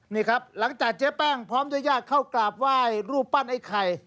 นี่ครับหลังจากเจ๊แป้งพร้อมด้วยญาติเข้ากราบไหว้รูปปั้นไอ้ไข่